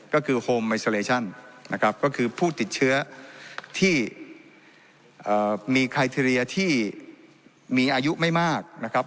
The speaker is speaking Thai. ก็คือนะครับก็คือผู้ติดเชื้อที่เอ่อมีที่มีอายุไม่มากนะครับ